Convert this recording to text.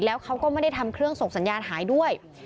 แล้วเขาก็ไม่ได้ทำเครื่องส่งสัญญาณหายด้วย